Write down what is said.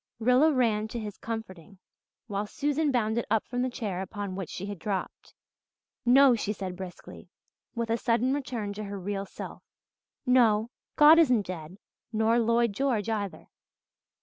Rilla ran to his comforting, while Susan bounded up from the chair upon which she had dropped. "No," she said briskly, with a sudden return of her real self. "No, God isn't dead nor Lloyd George either.